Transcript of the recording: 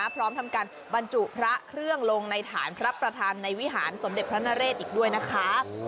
พร้อมทำการบรรจุพระเครื่องลงในฐานพระประธานในวิหารสมเด็จพระนเรศอีกด้วยนะคะ